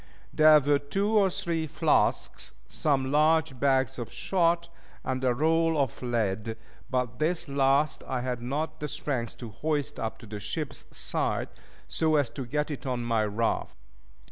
There were two or three flasks, some large bags of shot, and a roll of lead; but this last I had not the strength to hoist up to the ship's side, so as to get it on my raft.